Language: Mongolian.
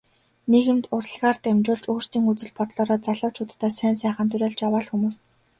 Нийгэмд урлагаар дамжуулж өөрсдийн үзэл бодлоороо залуучуудаа сайн сайханд уриалж яваа л хүмүүс.